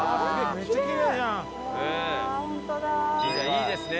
いいですね